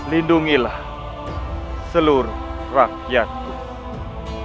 lindungilah seluruh rakyatku